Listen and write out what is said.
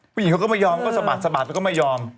ผู้หญิงเขาก็ไม่ยอมก็สะบัดก็ไม่ยอม